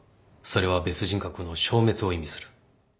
それは別人格の消滅を意味する